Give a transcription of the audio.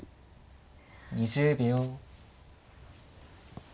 ２０秒。